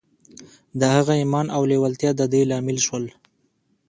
د هغه ايمان او لېوالتیا د دې لامل شول.